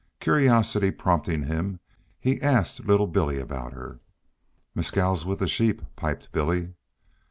Curiosity prompting him, he asked little Billy about her. "Mescal's with the sheep," piped Billy.